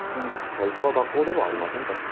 会社は学校ではありませんから。